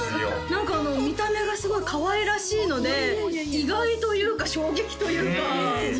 何か見た目がすごいかわいらしいので意外というか衝撃というかえそうですか？